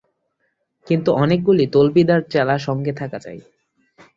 কিন্তু অনেকগুলি তল্পিদার চেলা সঙ্গে থাকা চাই।